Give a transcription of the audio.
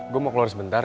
gue mau keluar sebentar